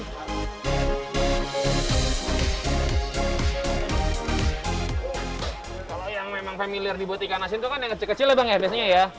kalau yang memang familiar dibuat ikan asin itu kan yang kecil kecil ya bang ya biasanya ya